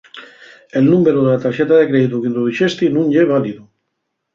El númberu de la tarxeta de creitu qu'introduxesti nun ye válidu.